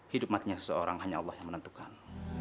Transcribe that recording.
hidup matinya seseorang hanya allah yang menentukan